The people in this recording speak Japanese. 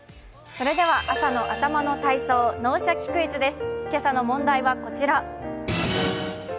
朝の頭の体操、「脳シャキ！クイズ」です。